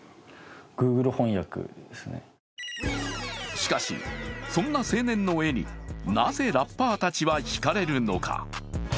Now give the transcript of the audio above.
しかし、そんな青年の絵になぜラッパーたちはひかれるのか。